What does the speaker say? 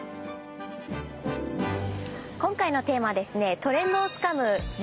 今回のテーマはですね